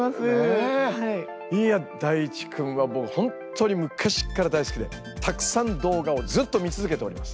いやＤａｉｃｈｉくんは僕本当に昔から大好きでたくさん動画をずっと見続けております。